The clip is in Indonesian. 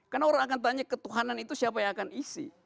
karena orang akan tanya ketuhanan itu siapa yang akan isi